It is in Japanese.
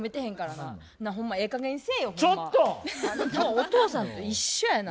お父さんと一緒やな。